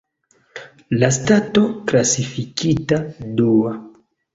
La stato klasifikita dua.